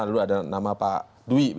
lalu ada nama pak dwi